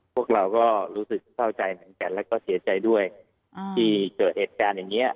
พวกเราก็รู้สึกเศร้าใจเหมือนกันแล้วก็เสียใจด้วยที่เกิดเหตุการณ์อย่างนี้